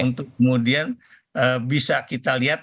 untuk kemudian bisa kita lihat